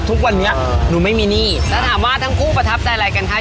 ทุกวันนี้หนูไม่มีหนี้แล้วถามว่าทั้งคู่ประทับใจอะไรกันคะ